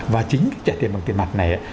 và chính cái trả tiền bằng tiền mặt này